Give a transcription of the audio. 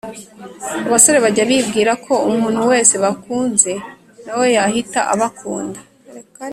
Abasore bajya bibwira ko umuntu wese bakunze nawe yahita abakunda